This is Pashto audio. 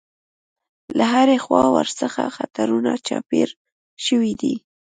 له هرې خوا ورڅخه خطرونه چاپېر شوي دي.